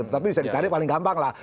tapi bisa dicari paling gampang lah